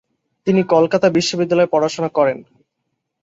তিনি কলকাতা বিশ্ববিদ্যালয়ে পড়াশোনা করেন।